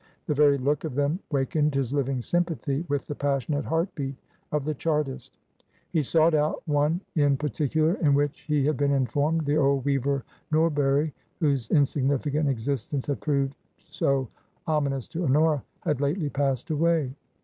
The very look of them wakened his living sympathy with the passionate heart beat of the Chartist. He sought out one in par TRANSITION, 321 ticular, in which, he had been informed, the old weaver Norbury (whose insignificant existence had proved so ominous to Honora) had lately passed away.